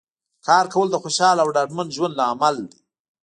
کار کول د خوشحاله او ډاډمن ژوند لامل دی